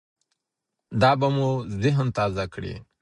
دا به مو ذهن تازه کړي.